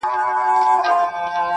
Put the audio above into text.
زخمي زړه مي په غمو د جانان زېر سو!!